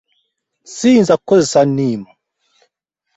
Siyinza kukozesa nniimu.